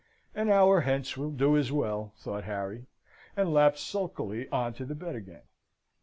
"An hour hence will do as well," thought Harry, and lapsed sulkily on to the bed again.